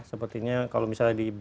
sepertinya kalau misalnya